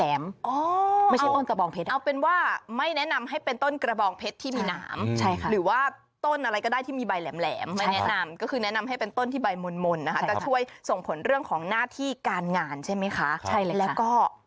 เอาความหมายก่อนนะคะต้นไม้หมายถึงเรื่องของการเจริญเติบโต